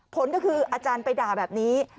ผลก็คืออาจารย์ไปด่าแบบนี้